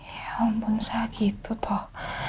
ya ampun saya gitu toh